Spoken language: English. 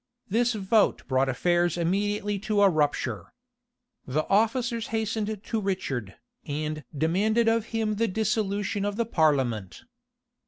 This vote brought affairs immediately to a rupture. The officers hastened to Richard, and demanded of him the dissolution of the parliament.